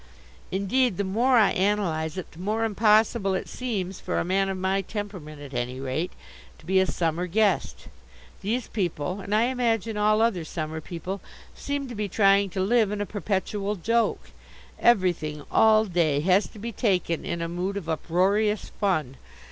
Indeed, the more I analyse it the more impossible it seems, for a man of my temperament at any rate, to be a summer guest. These people, and, I imagine, all other summer people, seem to be trying to live in a perpetual joke. Everything, all day, has to be taken in a mood of uproarious fun.